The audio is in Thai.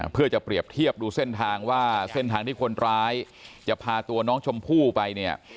เพื่อจะเปรียบเทียบดูเส้นทางว่าเส้นทางที่คนร้ายจะพาตัวน้องชมพู่ไปเนี่ย